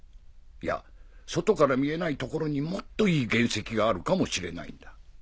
いや外から見えない所にもっといい原石があるかもしれないんだ。